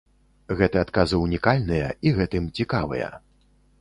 Гэты адказы ўнікальныя і гэтым цікавыя.